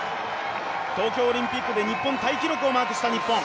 東京オリンピックで日本タイ記録をマークした日本。